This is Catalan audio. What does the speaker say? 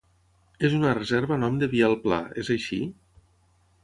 És una reserva a nom de Biel Pla, és així?